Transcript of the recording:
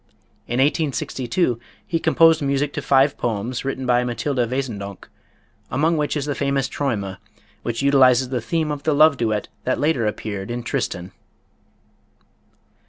In 1862 he composed music to five poems written by Mathilde Wesendonck, among which is the famous "Träume," which utilizes the theme of the love duet that later on appeared in "Tristan."